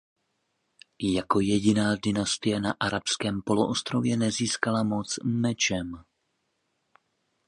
Jako jediná dynastie na Arabském poloostrově nezískala moc „mečem“.